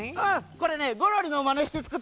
これねゴロリのまねしてつくったんだ。